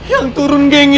yang turun gengnya